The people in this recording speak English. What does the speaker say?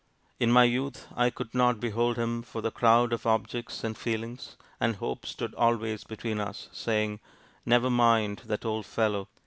In my youth I could not behold him for the crowd of objects and feelings, and Hope stood always between us, saying, 'Never mind that old fellow!'